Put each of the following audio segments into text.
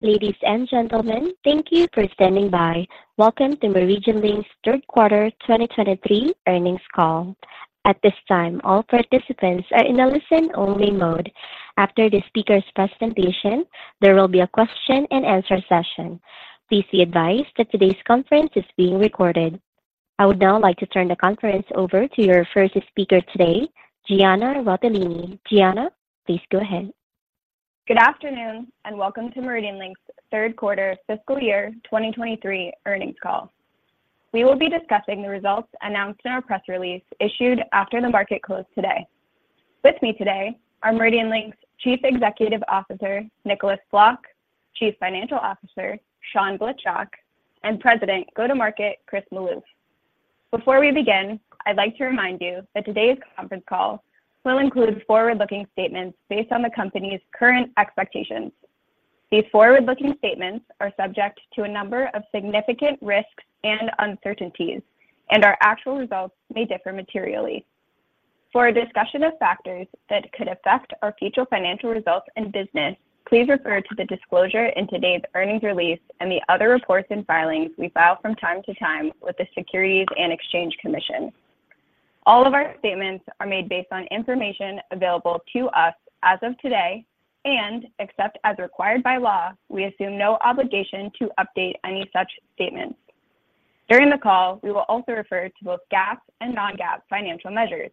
Ladies and gentlemen, thank you for standing by. Welcome to MeridianLink's Q3 2023 earnings call. At this time, all participants are in a listen-only mode. After the speaker's presentation, there will be a question and answer session. Please be advised that today's conference is being recorded. I would now like to turn the conference over to your first speaker today, Gianna Rotellini. Gianna, please go ahead. Good afternoon, and welcome to MeridianLink's Q3 fiscal year 2023 earnings call. We will be discussing the results announced in our press release issued after the market closed today. With me today are MeridianLink's Chief Executive Officer, Nicolaas Vlok, Chief Financial Officer, Sean Blitchok, and President Go-To-Market, Chris Maloof. Before we begin, I'd like to remind you that today's conference call will include forward-looking statements based on the company's current expectations. These forward-looking statements are subject to a number of significant risks and uncertainties, and our actual results may differ materially. For a discussion of factors that could affect our future financial results and business, please refer to the disclosure in today's earnings release and the other reports and filings we file from time to time with the Securities and Exchange Commission. All of our statements are made based on information available to us as of today, and except as required by law, we assume no obligation to update any such statements. During the call, we will also refer to both GAAP and non-GAAP financial measures.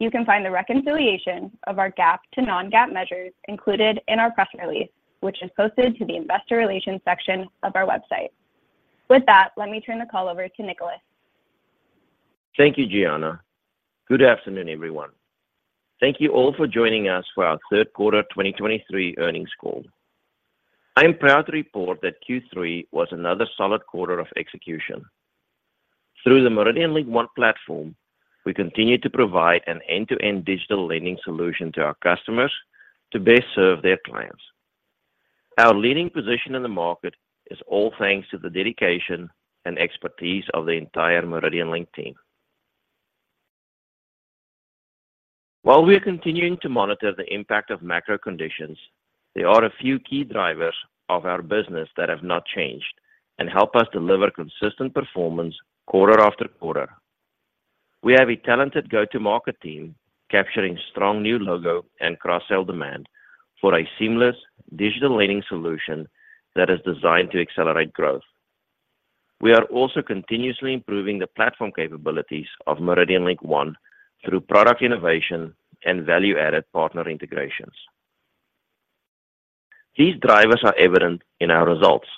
You can find the reconciliation of our GAAP to non-GAAP measures included in our press release, which is posted to the investor relations section of our website. With that, let me turn the call over to Nicolaas. Thank you, Gianna. Good afternoon, everyone. Thank you all for joining us for our Q3 2023 earnings call. I am proud to report that Q3 was another solid quarter of execution. Through the MeridianLink One platform, we continue to provide an end-to-end digital lending solution to our customers to best serve their clients. Our leading position in the market is all thanks to the dedication and expertise of the entire MeridianLink team. While we are continuing to monitor the impact of macro conditions, there are a few key drivers of our business that have not changed and help us deliver consistent performance quarter after quarter. We have a talented go-to-market team capturing strong new logo and cross-sell demand for a seamless digital lending solution that is designed to accelerate growth. We are also continuously improving the platform capabilities of MeridianLink One through product innovation and value-added partner integrations. These drivers are evident in our results.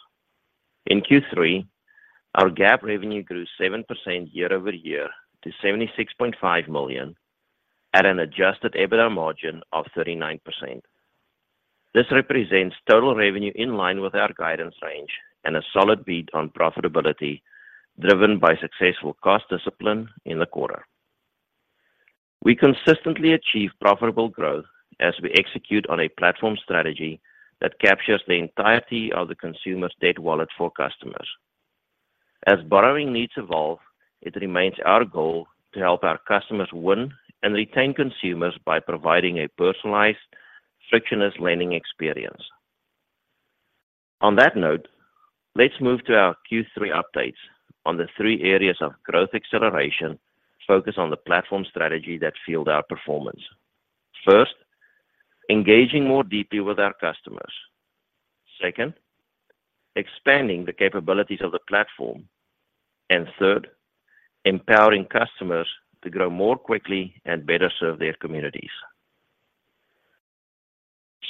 In Q3, our GAAP revenue grew 7% year-over-year to $76.5 million, at an adjusted EBITDA margin of 39%. This represents total revenue in line with our guidance range and a solid beat on profitability, driven by successful cost discipline in the quarter. We consistently achieve profitable growth as we execute on a platform strategy that captures the entirety of the consumer's debt wallet for customers. As borrowing needs evolve, it remains our goal to help our customers win and retain consumers by providing a personalized, frictionless lending experience. On that note, let's move to our Q3 updates on the three areas of growth acceleration focused on the platform strategy that fueled our performance. First, engaging more deeply with our customers. Second, expanding the capabilities of the platform. And third, empowering customers to grow more quickly and better serve their communities.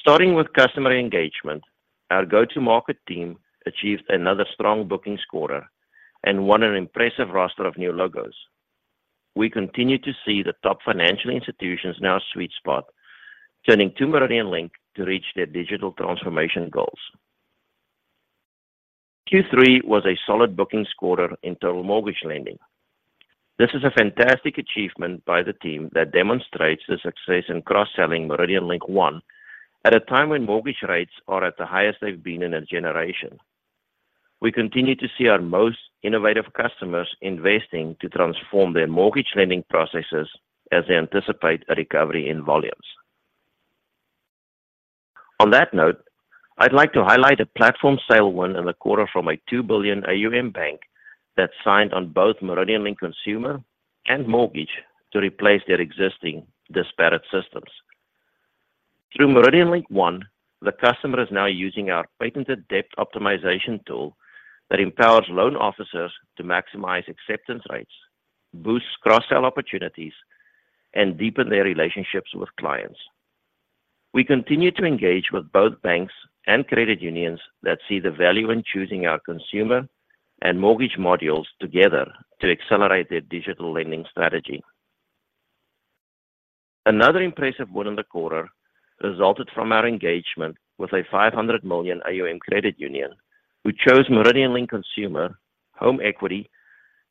Starting with customer engagement, our go-to-market team achieved another strong bookings quarter and won an impressive roster of new logos. We continue to see the top financial institutions in our sweet spot, turning to MeridianLink to reach their digital transformation goals. Q3 was a solid bookings quarter in total mortgage lending. This is a fantastic achievement by the team that demonstrates the success in cross-selling MeridianLink One at a time when mortgage rates are at the highest they've been in a generation. We continue to see our most innovative customers investing to transform their mortgage lending processes as they anticipate a recovery in volumes. On that note, I'd like to highlight a platform sale win in the quarter from a $2 billion AUM bank that signed on both MeridianLink Consumer and Mortgage to replace their existing disparate systems. Through MeridianLink One, the customer is now using our patented debt optimization tool that empowers loan officers to maximize acceptance rates, boost cross-sell opportunities, and deepen their relationships with clients. We continue to engage with both banks and credit unions that see the value in choosing our consumer and mortgage modules together to accelerate their digital lending strategy. Another impressive win in the quarter resulted from our engagement with a $500 million AUM credit union, who chose MeridianLink Consumer, Home Equity,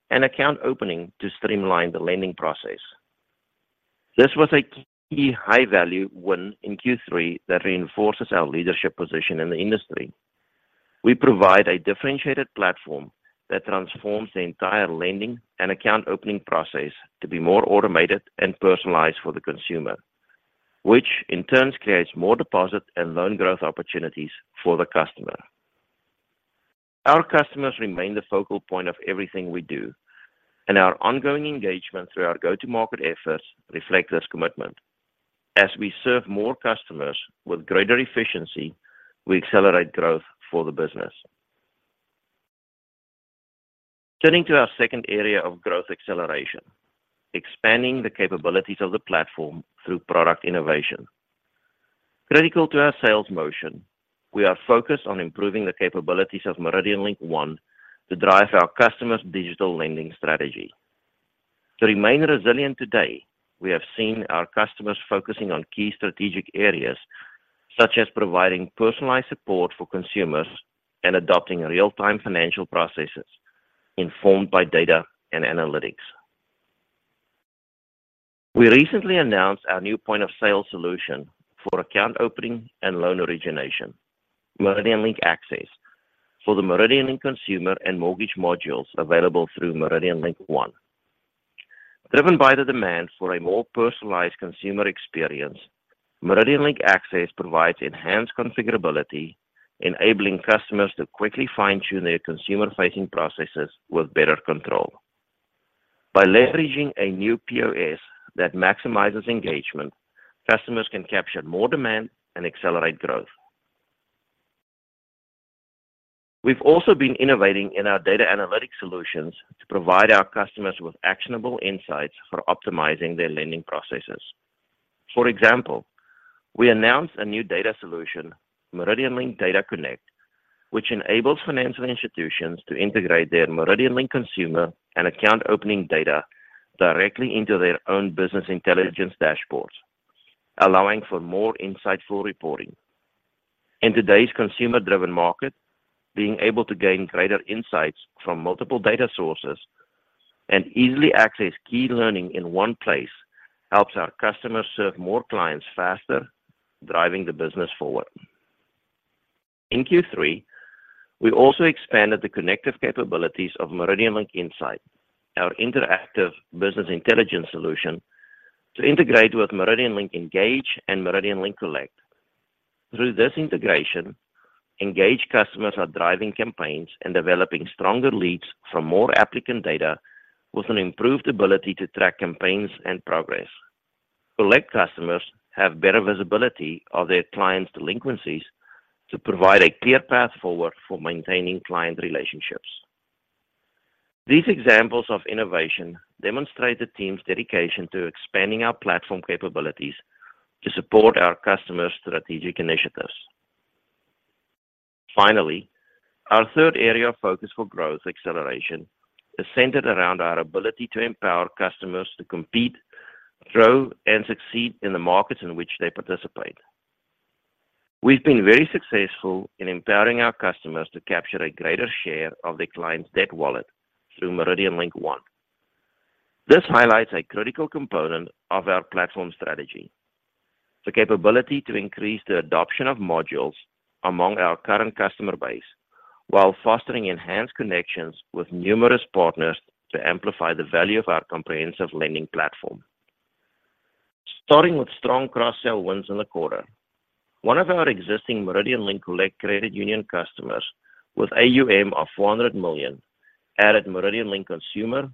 and Account Opening to streamline the lending process. This was a key high-value win in Q3 that reinforces our leadership position in the industry. We provide a differentiated platform that transforms the entire lending and account opening process to be more automated and personalized for the consumer, which in turn creates more deposit and loan growth opportunities for the customer. Our customers remain the focal point of everything we do, and our ongoing engagement through our go-to-market efforts reflect this commitment. As we serve more customers with greater efficiency, we accelerate growth for the business. Turning to our second area of growth acceleration, expanding the capabilities of the platform through product innovation. Critical to our sales motion, we are focused on improving the capabilities of MeridianLink One to drive our customers' digital lending strategy. To remain resilient today, we have seen our customers focusing on key strategic areas, such as providing personalized support for consumers and adopting real-time financial processes informed by data and analytics. We recently announced our new point-of-sale solution for account opening and loan origination, MeridianLink Access, for the MeridianLink Consumer and Mortgage modules available through MeridianLink One. Driven by the demand for a more personalized consumer experience, MeridianLink Access provides enhanced configurability, enabling customers to quickly fine-tune their consumer-facing processes with better control. By leveraging a new POS that maximizes engagement, customers can capture more demand and accelerate growth. We've also been innovating in our data analytics solutions to provide our customers with actionable insights for optimizing their lending processes. For example, we announced a new data solution, MeridianLink Data Connect, which enables financial institutions to integrate their MeridianLink Consumer and account opening data directly into their own business intelligence dashboards, allowing for more insightful reporting. In today's consumer-driven market, being able to gain greater insights from multiple data sources and easily access key learning in one place helps our customers serve more clients faster, driving the business forward. In Q3, we also expanded the connective capabilities of MeridianLink Insight, our interactive business intelligence solution, to integrate with MeridianLink Engage and MeridianLink Collect. Through this integration, engaged customers are driving campaigns and developing stronger leads from more applicant data with an improved ability to track campaigns and progress. Collect customers have better visibility of their clients' delinquencies to provide a clear path forward for maintaining client relationships. These examples of innovation demonstrate the team's dedication to expanding our platform capabilities to support our customers' strategic initiatives. Finally, our third area of focus for growth acceleration is centered around our ability to empower customers to compete, grow, and succeed in the markets in which they participate. We've been very successful in empowering our customers to capture a greater share of their clients' debt wallet through MeridianLink One. This highlights a critical component of our platform strategy, the capability to increase the adoption of modules among our current customer base while fostering enhanced connections with numerous partners to amplify the value of our comprehensive lending platform. Starting with strong cross-sell wins in the quarter, one of our existing MeridianLink Collect credit union customers with AUM of $400 million, added MeridianLink Consumer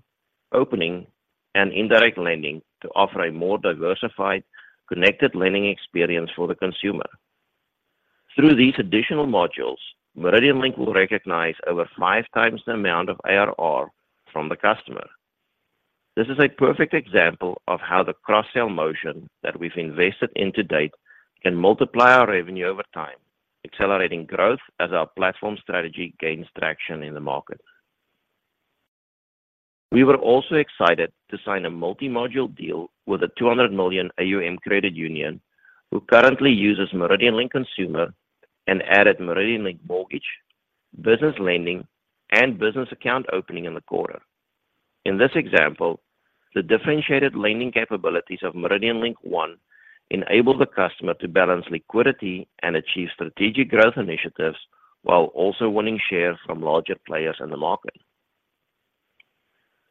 Opening and Indirect Lending to offer a more diversified, connected lending experience for the consumer. Through these additional modules, MeridianLink will recognize over five times the amount of ARR from the customer. This is a perfect example of how the cross-sell motion that we've invested in to date can multiply our revenue over time, accelerating growth as our platform strategy gains traction in the market. We were also excited to sign a multi-module deal with a $200 million AUM credit union, who currently uses MeridianLink Consumer and added MeridianLink Mortgage, Business Lending, and Business Account Opening in the quarter. In this example, the differentiated lending capabilities of MeridianLink One enable the customer to balance liquidity and achieve strategic growth initiatives while also winning shares from larger players in the market.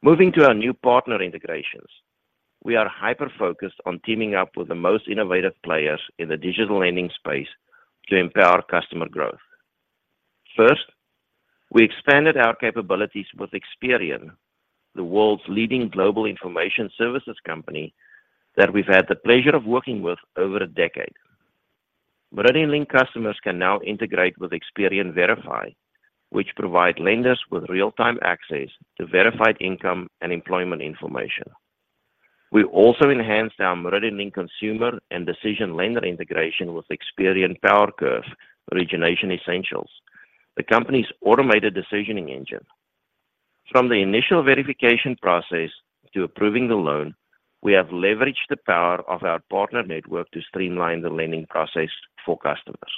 Moving to our new partner integrations, we are hyper-focused on teaming up with the most innovative players in the digital lending space to empower customer growth. First, we expanded our capabilities with Experian, the world's leading global information services company that we've had the pleasure of working with over a decade. MeridianLink customers can now integrate with Experian Verify, which provide lenders with real-time access to verified income and employment information. We also enhanced our MeridianLink Consumer and DecisionLender integration with Experian PowerCurve Origination Essentials, the company's automated decisioning engine. From the initial verification process to approving the loan, we have leveraged the power of our partner network to streamline the lending process for customers.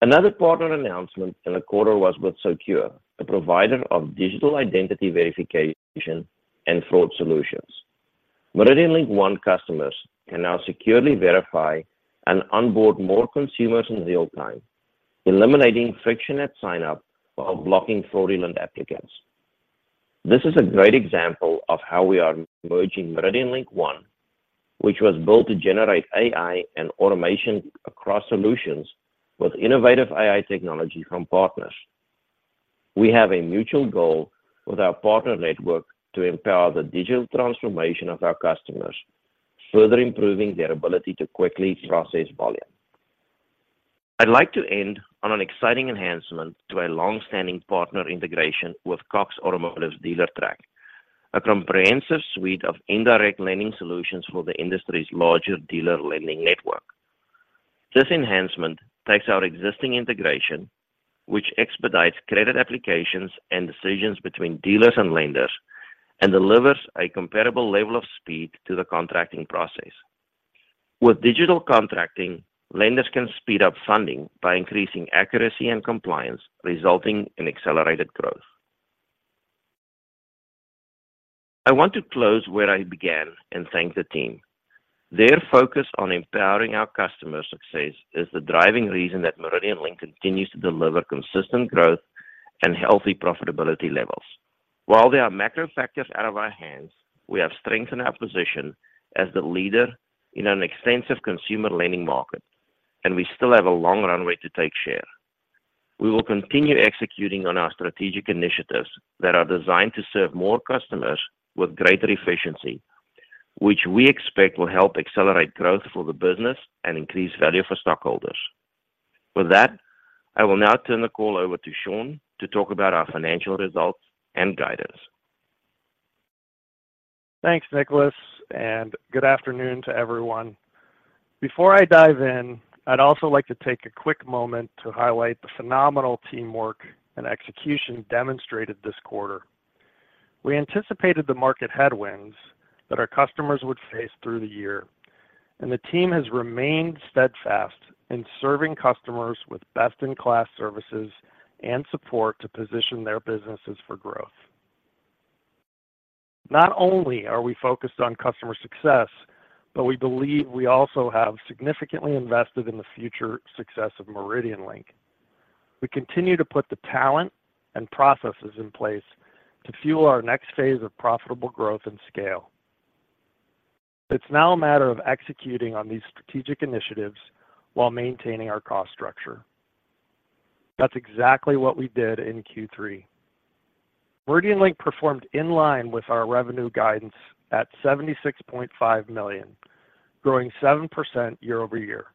Another partner announcement in the quarter was with Socure, a provider of digital identity verification and fraud solutions. MeridianLink One customers can now securely verify and onboard more consumers in real time, eliminating friction at sign up while blocking fraudulent applicants. This is a great example of how we are merging MeridianLink One, which was built to generate AI and automation across solutions with innovative AI technology from partners. We have a mutual goal with our partner network to empower the digital transformation of our customers, further improving their ability to quickly process volume. I'd like to end on an exciting enhancement to a long-standing partner integration with Cox Automotive's Dealertrack, a comprehensive suite of indirect lending solutions for the industry's larger dealer lending network. This enhancement takes our existing integration, which expedites credit applications and decisions between dealers and lenders, and delivers a comparable level of speed to the contracting process. With digital contracting, lenders can speed up funding by increasing accuracy and compliance, resulting in accelerated growth. I want to close where I began and thank the team. Their focus on empowering our customers' success is the driving reason that MeridianLink continues to deliver consistent growth and healthy profitability levels. While there are macro factors out of our hands, we have strengthened our position as the leader in an extensive consumer lending market, and we still have a long runway to take share. We will continue executing on our strategic initiatives that are designed to serve more customers with greater efficiency, which we expect will help accelerate growth for the business and increase value for stockholders. With that, I will now turn the call over to Sean to talk about our financial results and guidance. Thanks, Nicolaas, and good afternoon to everyone. Before I dive in, I'd also like to take a quick moment to highlight the phenomenal teamwork and execution demonstrated this quarter. We anticipated the market headwinds that our customers would face through the year, and the team has remained steadfast in serving customers with best-in-class services and support to position their businesses for growth. Not only are we focused on customer success, but we believe we also have significantly invested in the future success of MeridianLink. We continue to put the talent and processes in place to fuel our next phase of profitable growth and scale. It's now a matter of executing on these strategic initiatives while maintaining our cost structure. That's exactly what we did in Q3. MeridianLink performed in line with our revenue guidance at $76.5 million, growing 7% year-over-year.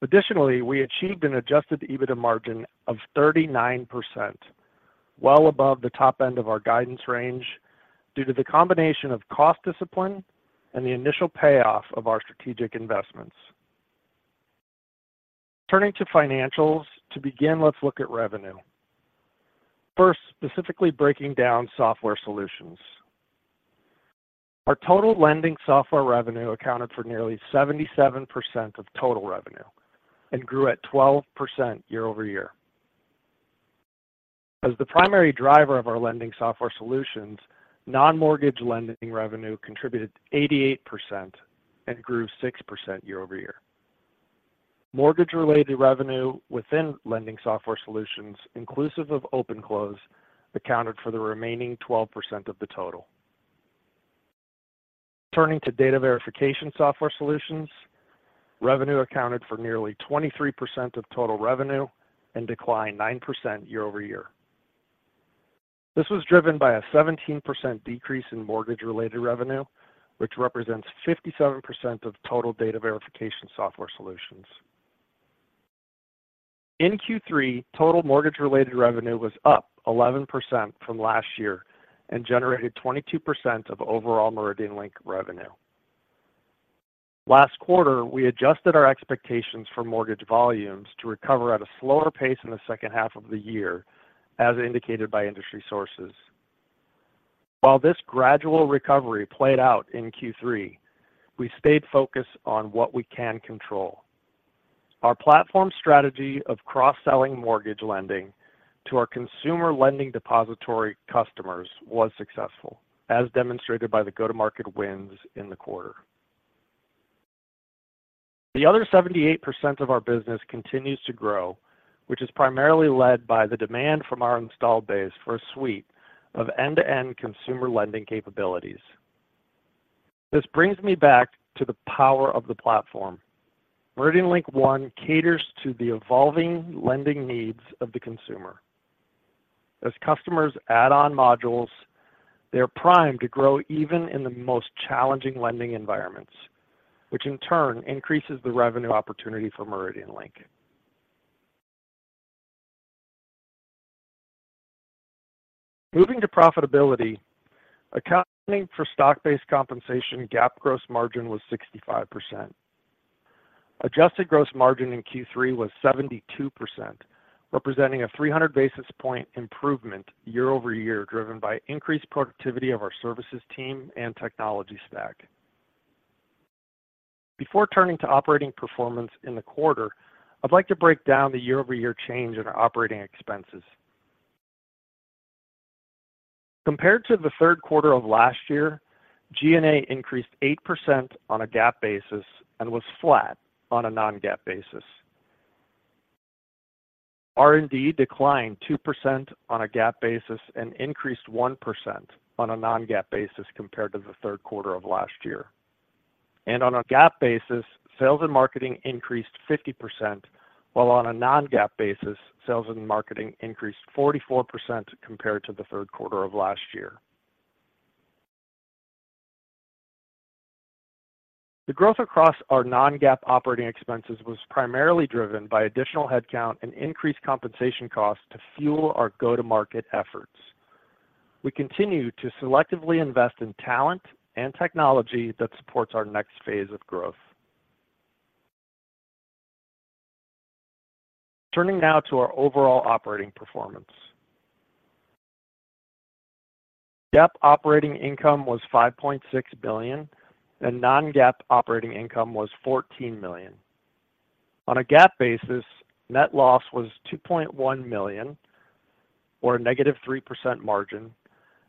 Additionally, we achieved an Adjusted EBITDA margin of 39%, well above the top end of our guidance range, due to the combination of cost discipline and the initial payoff of our strategic investments. Turning to financials. To begin, let's look at revenue. First, specifically breaking down software solutions. Our total lending software revenue accounted for nearly 77% of total revenue and grew at 12% year-over-year. As the primary driver of our lending software solutions, non-mortgage lending revenue contributed 88% and grew 6% year-over-year. Mortgage-related revenue within lending software solutions, inclusive of OpenClose, accounted for the remaining 12% of the total. Turning to data verification software solutions, revenue accounted for nearly 23% of total revenue and declined 9% year-over-year. This was driven by a 17% decrease in mortgage-related revenue, which represents 57% of total data verification software solutions. In Q3, total mortgage-related revenue was up 11% from last year and generated 22% of overall MeridianLink revenue. Last quarter, we adjusted our expectations for mortgage volumes to recover at a slower pace in the second half of the year, as indicated by industry sources. While this gradual recovery played out in Q3, we stayed focused on what we can control. Our platform strategy of cross-selling mortgage lending to our consumer lending depository customers was successful, as demonstrated by the go-to-market wins in the quarter. The other 78% of our business continues to grow, which is primarily led by the demand from our installed base for a suite of end-to-end consumer lending capabilities. This brings me back to the power of the platform. MeridianLink One caters to the evolving lending needs of the consumer. As customers add on modules, they are primed to grow even in the most challenging lending environments, which in turn increases the revenue opportunity for MeridianLink. Moving to profitability. Accounting for stock-based compensation, GAAP gross margin was 65%. Adjusted gross margin in Q3 was 72%, representing a 300 basis point improvement year over year, driven by increased productivity of our services team and technology stack. Before turning to operating performance in the quarter, I'd like to break down the year-over-year change in our operating expenses. Compared to the Q3 of last year, G&A increased 8% on a GAAP basis and was flat on a non-GAAP basis. R&D declined 2% on a GAAP basis and increased 1% on a non-GAAP basis compared to the Q3 of last year. On a GAAP basis, sales and marketing increased 50%, while on a non-GAAP basis, sales and marketing increased 44% compared to the Q3 of last year. The growth across our non-GAAP operating expenses was primarily driven by additional headcount and increased compensation costs to fuel our go-to-market efforts. We continue to selectively invest in talent and technology that supports our next phase of growth. Turning now to our overall operating performance. GAAP operating income was $5.6 billion, and non-GAAP operating income was $14 million. On a GAAP basis, net loss was $2.1 million, or a negative 3% margin,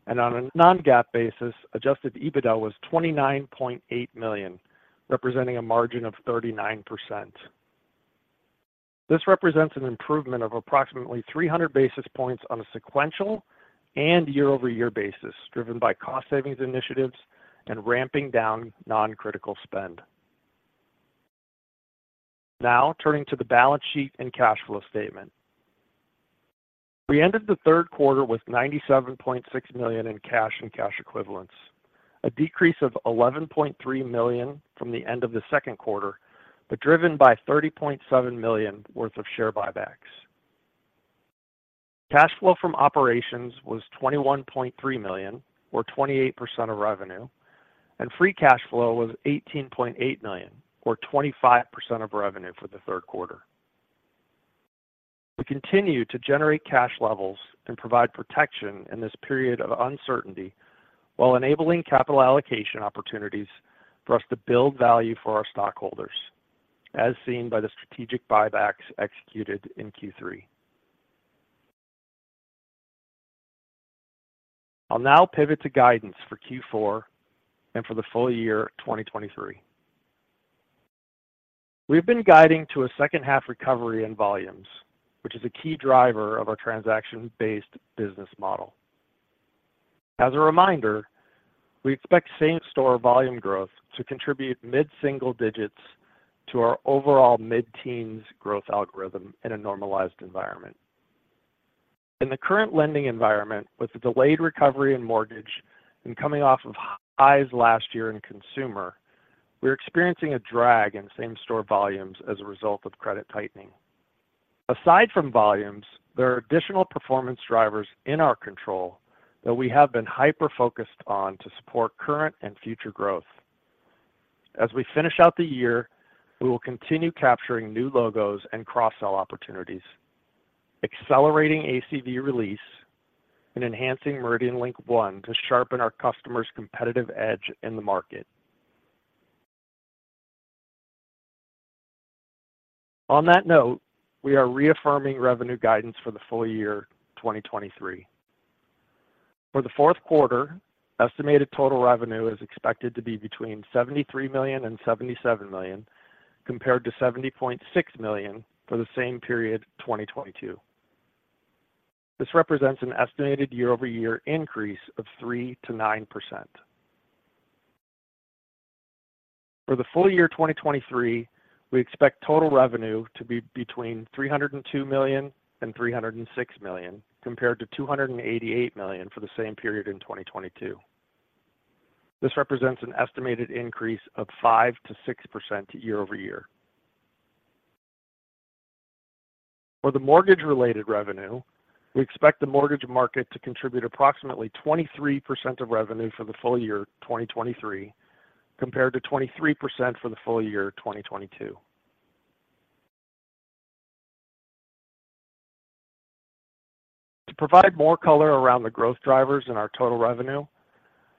and on a non-GAAP basis, Adjusted EBITDA was $29.8 million, representing a margin of 39%. This represents an improvement of approximately 300 basis points on a sequential and year-over-year basis, driven by cost savings initiatives and ramping down non-critical spend. Now, turning to the balance sheet and cash flow statement. We ended the Q3 with $97.6 million in cash and cash equivalents, a decrease of $11.3 million from the end of the second quarter, but driven by $30.7 million worth of share buybacks. Cash flow from operations was $21.3 million, or 28% of revenue, and free cash flow was $18.8 million, or 25% of revenue for the Q3. We continue to generate cash levels and provide protection in this period of uncertainty, while enabling capital allocation opportunities for us to build value for our stockholders, as seen by the strategic buybacks executed in Q3. I'll now pivot to guidance for Q4 and for the full year 2023. We've been guiding to a second-half recovery in volumes, which is a key driver of our transaction-based business model. As a reminder, we expect same-store volume growth to contribute mid-single digits to our overall mid-teens growth algorithm in a normalized environment. In the current lending environment, with the delayed recovery in mortgage and coming off of highs last year in consumer, we're experiencing a drag in same-store volumes as a result of credit tightening. Aside from volumes, there are additional performance drivers in our control that we have been hyper-focused on to support current and future growth. As we finish out the year, we will continue capturing new logos and cross-sell opportunities, accelerating ACV release, and enhancing MeridianLink One to sharpen our customers' competitive edge in the market. On that note, we are reaffirming revenue guidance for the full year 2023. For the fourth quarter, estimated total revenue is expected to be between $73 million and $77 million, compared to $70.6 million for the same period 2022. This represents an estimated year-over-year increase of 3%-9%. For the full year 2023, we expect total revenue to be between $302 million and $306 million, compared to $288 million for the same period in 2022. This represents an estimated increase of 5%-6% year over year. For the mortgage-related revenue, we expect the mortgage market to contribute approximately 23% of revenue for the full year 2023, compared to 23% for the full year 2022. To provide more color around the growth drivers in our total revenue,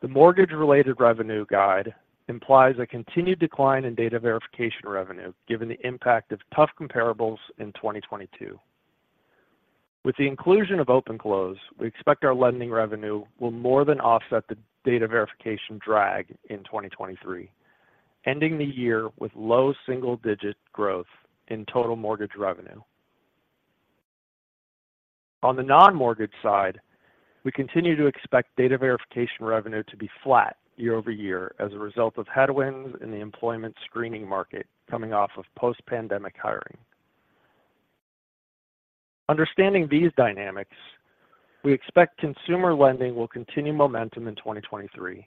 the mortgage-related revenue guide implies a continued decline in data verification revenue, given the impact of tough comparables in 2022. With the inclusion of OpenClose, we expect our lending revenue will more than offset the data verification drag in 2023, ending the year with low single-digit growth in total mortgage revenue. On the non-mortgage side, we continue to expect data verification revenue to be flat year over year as a result of headwinds in the employment screening market coming off of post-pandemic hiring. Understanding these dynamics, we expect consumer lending will continue momentum in 2023,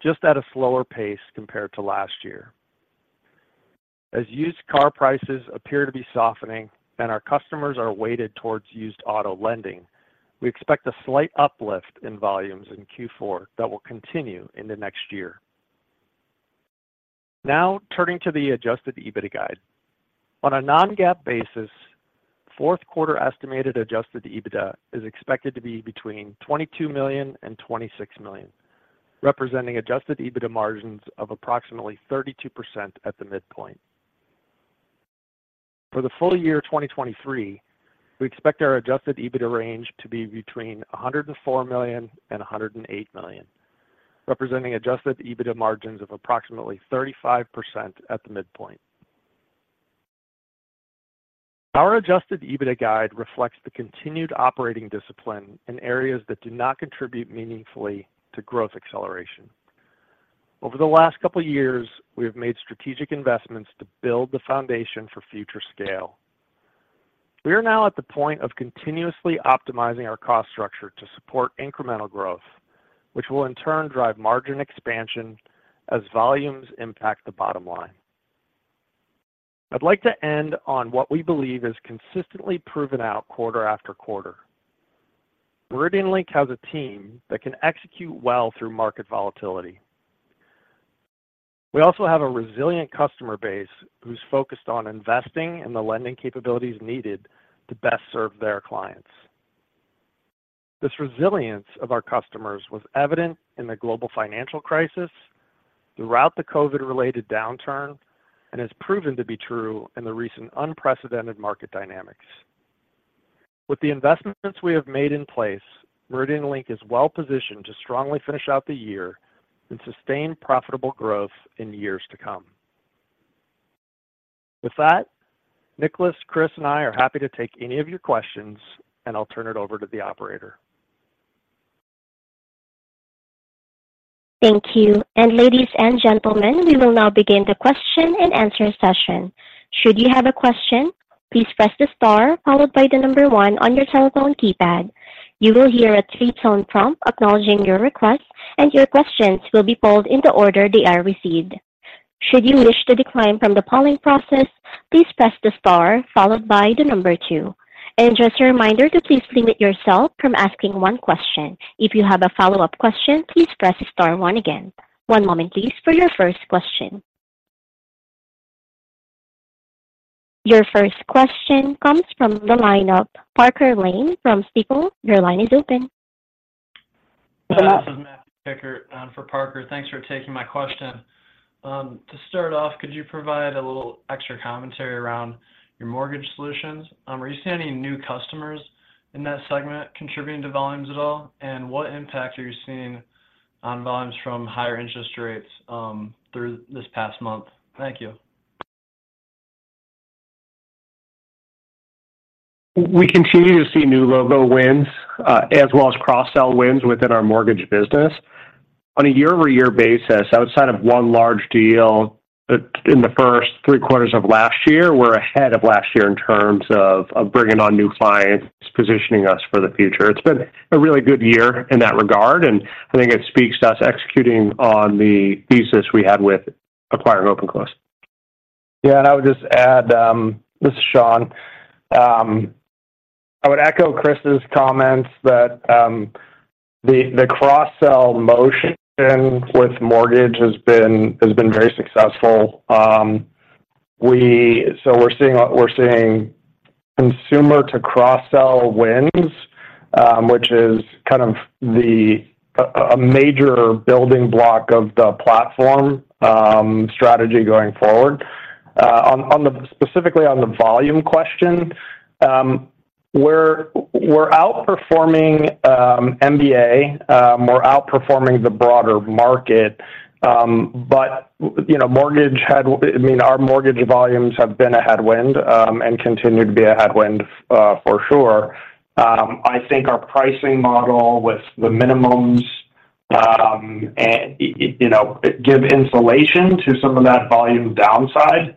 just at a slower pace compared to last year. As used car prices appear to be softening and our customers are weighted towards used auto lending, we expect a slight uplift in volumes in Q4 that will continue into next year. Now, turning to the adjusted EBITDA guide. On a non-GAAP basis, fourth quarter estimated adjusted EBITDA is expected to be between $22 million and $26 million, representing adjusted EBITDA margins of approximately 32% at the midpoint. For the full year 2023, we expect our adjusted EBITDA range to be between $104 million and $108 million, representing adjusted EBITDA margins of approximately 35% at the midpoint. Our adjusted EBITDA guide reflects the continued operating discipline in areas that do not contribute meaningfully to growth acceleration. Over the last couple of years, we have made strategic investments to build the foundation for future scale. We are now at the point of continuously optimizing our cost structure to support incremental growth, which will in turn drive margin expansion as volumes impact the bottom line. I'd like to end on what we believe is consistently proven out quarter after quarter. MeridianLink has a team that can execute well through market volatility. We also have a resilient customer base who's focused on investing in the lending capabilities needed to best serve their clients. This resilience of our customers was evident in the global financial crisis, throughout the COVID-related downturn, and has proven to be true in the recent unprecedented market dynamics. With the investments we have made in place, MeridianLink is well-positioned to strongly finish out the year and sustain profitable growth in years to come. With that, Nicolaas, Chris, and I are happy to take any of your questions, and I'll turn it over to the operator. Thank you. Ladies and gentlemen, we will now begin the question-and-answer session. Should you have a question, please press the star followed by the number one on your telephone keypad. You will hear a three-tone prompt acknowledging your request, and your questions will be pulled in the order they are received. Should you wish to decline from the polling process, please press the star followed by the number two. Just a reminder to please limit yourself from asking one question. If you have a follow-up question, please press star one again. One moment, please, for your first question. Your first question comes from the line of Parker Lane from Stifel. Your line is open. This is Matthew Kikkert, for Parker. Thanks for taking my question. To start off, could you provide a little extra commentary around your mortgage solutions? Are you seeing any new customers in that segment contributing to volumes at all? And what impact are you seeing on volumes from higher interest rates through this past month? Thank you. We continue to see new logo wins, as well as cross-sell wins within our mortgage business. On a year-over-year basis, outside of one large deal in the first three quarters of last year, we're ahead of last year in terms of bringing on new clients, positioning us for the future. It's been a really good year in that regard, and I think it speaks to us executing on the thesis we had with acquiring OpenClose. Yeah, and I would just add, this is Sean. I would echo Chris's comments that the cross-sell motion with mortgage has been very successful. So we're seeing consumer to cross-sell wins, which is kind of a major building block of the platform strategy going forward. On, on the, specifically on the volume question, we're, we're outperforming MBA, we're outperforming the broader market. But, you know, mortgage had, I mean, our mortgage volumes have been a headwind, and continue to be a headwind, for sure. I think our pricing model with the minimums, and, you know, give insulation to some of that volume downside.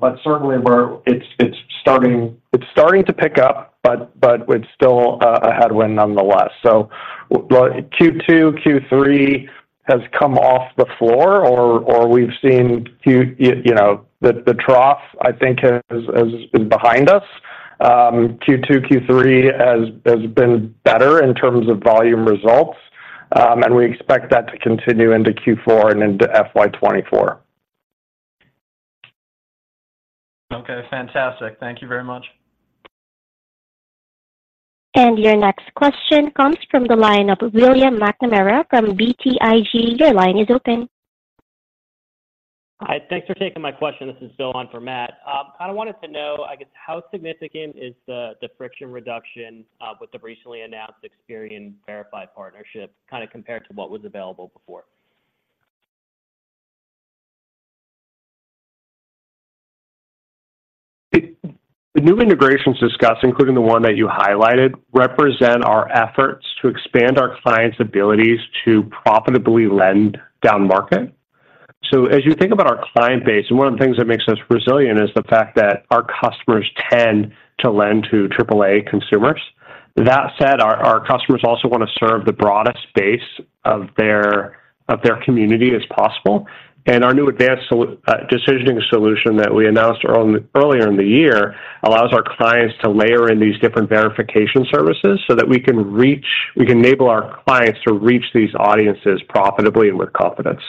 But certainly we're, it's, it's starting, it's starting to pick up, but, but it's still a, a headwind nonetheless. So Q2, Q3 has come off the floor, or, or we've seen Q, you, you know, the, the trough, I think has, has been behind us. Q2, Q3 has, has been better in terms of volume results, and we expect that to continue into Q4 and into FY 2024. Okay, fantastic. Thank you very much. Your next question comes from the line of Bill McNamara from BTIG. Your line is open. Hi, thanks for taking my question. This is Bill on for Matt. I wanted to know, I guess, how significant is the friction reduction with the recently announced Experian Verify partnership, kind of compared to what was available before? The new integrations discussed, including the one that you highlighted, represent our efforts to expand our clients' abilities to profitably lend down-market. So as you think about our client base, and one of the things that makes us resilient is the fact that our customers tend to lend to triple A consumers. That said, our customers also want to serve the broadest base of their community as possible. And our new advanced decisioning solution that we announced earlier in the year allows our clients to layer in these different verification services so that we can reach, we can enable our clients to reach these audiences profitably and with confidence.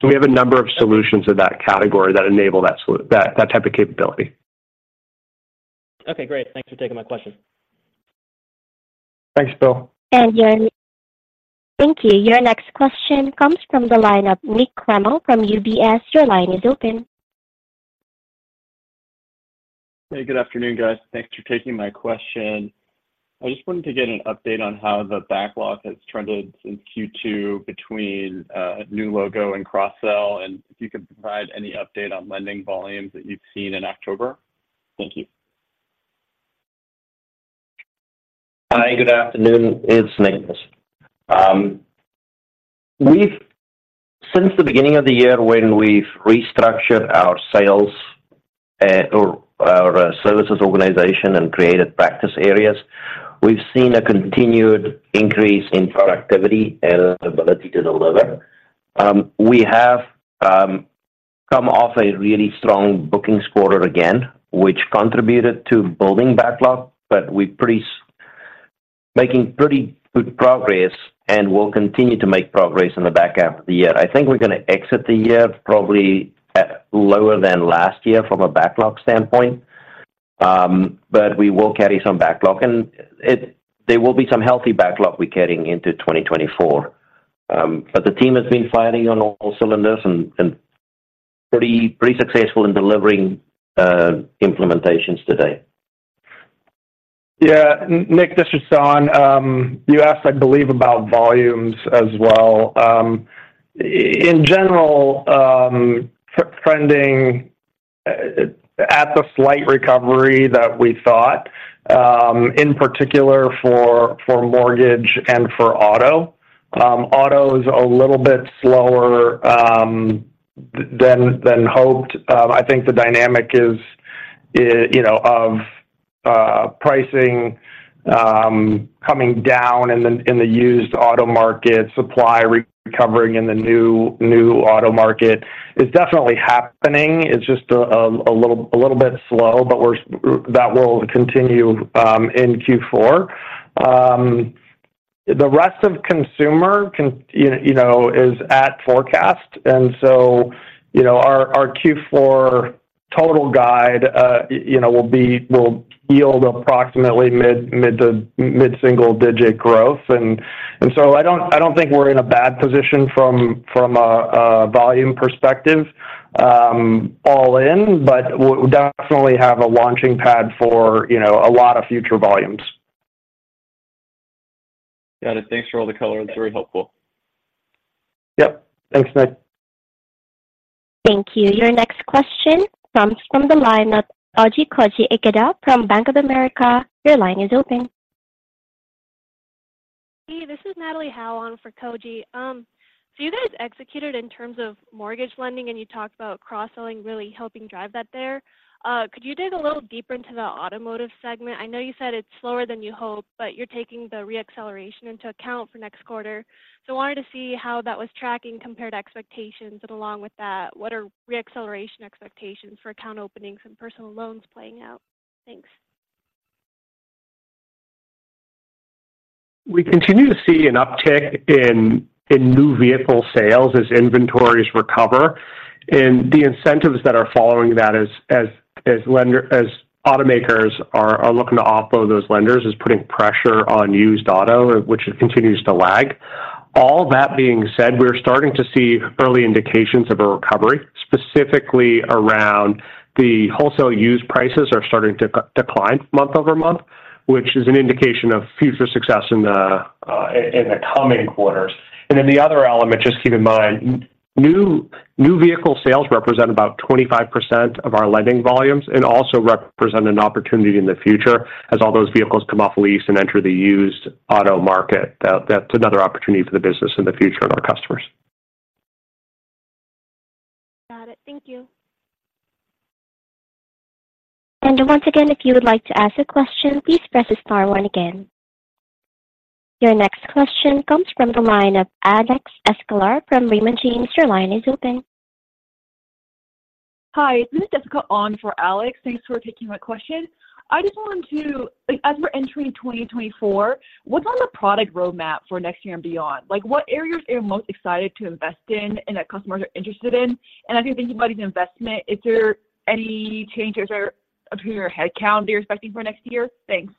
So we have a number of solutions in that category that enable that type of capability. Okay, great. Thanks for taking my question. Thanks, Bill. Thank you. Your next question comes from the line of Nick Kreml from UBS. Your line is open. Hey, good afternoon, guys. Thanks for taking my question. I just wanted to get an update on how the backlog has trended since Q2 between new logo and cross-sell, and if you could provide any update on lending volumes that you've seen in October? Thank you. Hi, good afternoon. It's Nicolaas. We've since the beginning of the year, when we've restructured our sales, or our services organization and created practice areas, seen a continued increase in productivity and ability to deliver. We have come off a really strong bookings quarter again, which contributed to building backlog, but we're making pretty good progress, and we'll continue to make progress in the back half of the year. I think we're gonna exit the year probably at lower than last year from a backlog standpoint. But we will carry some backlog, and it. There will be some healthy backlog we're carrying into 2024. But the team has been firing on all cylinders and pretty successful in delivering implementations today. Yeah, Nick, this is Sean. You asked, I believe, about volumes as well. In general, trending at the slight recovery that we thought, in particular for mortgage and for auto. Auto is a little bit slower than hoped. I think the dynamic is, you know, of pricing coming down in the used auto market, supply recovering in the new auto market. It's definitely happening. It's just a little bit slow, but we're seeing that will continue in Q4. The rest of consumer, you know, is at forecast, and so, you know, our Q4 total guide will yield approximately mid to mid single-digit growth. So I don't think we're in a bad position from a volume perspective, all in, but we'll definitely have a launching pad for, you know, a lot of future volumes. Got it. Thanks for all the color. It's very helpful. Yep. Thanks, Nick. Thank you. Your next question comes from the line of Koji Ikeda from Bank of America. Your line is open. Hey, this is Natalie Hao on for Koji. So you guys executed in terms of mortgage lending, and you talked about cross-selling really helping drive that there. Could you dig a little deeper into the automotive segment? I know you said it's slower than you hoped, but you're taking the re-acceleration into account for next quarter. So I wanted to see how that was tracking compared to expectations, and along with that, what are re-acceleration expectations for account openings and personal loans playing out? Thanks. We continue to see an uptick in new vehicle sales as inventories recover, and the incentives that are following that as automakers are looking to offload those inventories, is putting pressure on used auto, which continues to lag. All that being said, we're starting to see early indications of a recovery, specifically around the wholesale used prices are starting to decline month-over-month, which is an indication of future success in the coming quarters. And then the other element, just keep in mind, new vehicle sales represent about 25% of our lending volumes and also represent an opportunity in the future as all those vehicles come off lease and enter the used auto market. That, that's another opportunity for the business in the future of our customers. Got it. Thank you. Once again, if you would like to ask a question, please press star one again. Your next question comes from the line of Alex Sklar from Raymond James. Your line is open. Hi, this is Jessica on for Alex. Thanks for taking my question. I just wanted to... Like, as we're entering 2024, what's on the product roadmap for next year and beyond? Like, what areas are you most excited to invest in and that customers are interested in? And as you think about the investment, is there any changes or updating your headcount that you're expecting for next year? Thanks.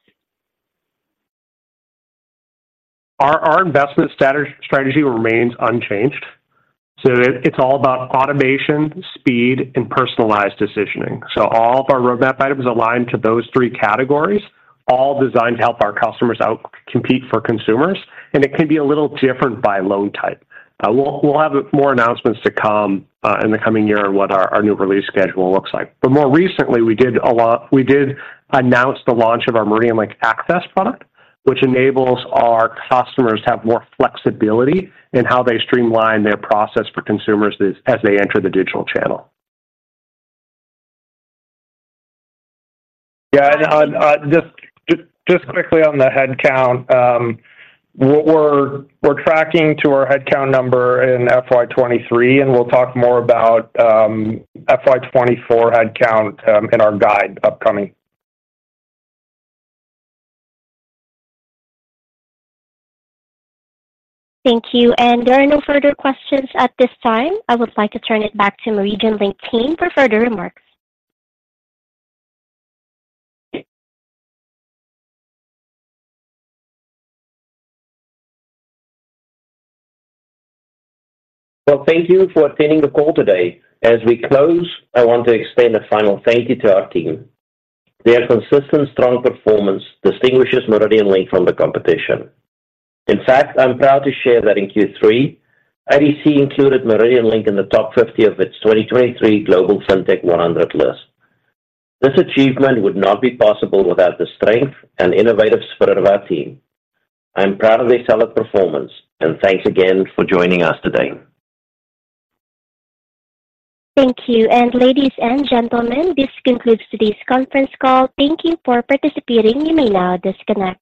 Our investment strategy remains unchanged, so it's all about automation, speed, and personalized decisioning. So all of our roadmap items align to those three categories, all designed to help our customers out-compete for consumers, and it can be a little different by loan type. We'll have more announcements to come in the coming year on what our new release schedule looks like. But more recently, we did announce the launch of our MeridianLink Access product, which enables our customers to have more flexibility in how they streamline their process for consumers as they enter the digital channel. Yeah, and just quickly on the headcount, we're tracking to our headcount number in FY 2023, and we'll talk more about FY 2024 headcount in our guide upcoming. Thank you, and there are no further questions at this time. I would like to turn it back to MeridianLink team for further remarks. Well, thank you for attending the call today. As we close, I want to extend a final thank you to our team. Their consistent, strong performance distinguishes MeridianLink from the competition. In fact, I'm proud to share that in Q3, IDC included MeridianLink in the top 50 of its 2023 Global FinTech 100 list. This achievement would not be possible without the strength and innovative spirit of our team. I'm proud of their solid performance, and thanks again for joining us today. Thank you. Ladies and gentlemen, this concludes today's conference call. Thank you for participating. You may now disconnect.